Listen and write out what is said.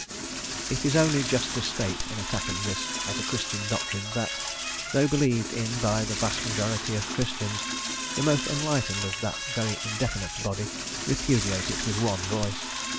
It is only just to state, in attacking this as a Christian doctrine, that, though believed in by the vast majority of Christians, the most enlightened of that very indefinite body repudiate it with one voice.